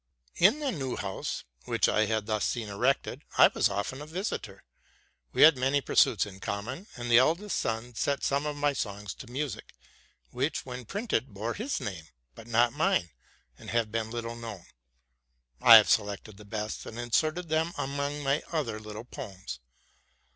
In the new house, which I had thus seen erected, I was often a visitor. We had many pursuits in common; and the eldest son set some of my songs to music, which, when printed, bore his name, but not mine, and have been little known. I have selected the best, and inserted them among my other little poems.